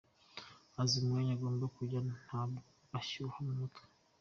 Azi umwanya agomba kujyamo, ntabwo ashyuha mu mutwe.